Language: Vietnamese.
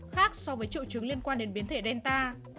khác so với triệu chứng liên quan đến biến thể delta